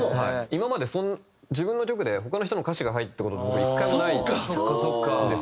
今まで自分の曲で他の人の歌詞が入った事僕１回もないんですよ。